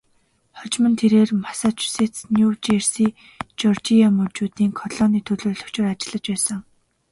Хожим нь тэрээр Массачусетс, Нью Жерси, Жеоржия мужуудын колонийн төлөөлөгчөөр ажиллаж байсан.